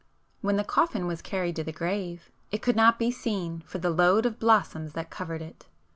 When the coffin was carried to the grave, it could not be seen for the load of blossoms that covered it.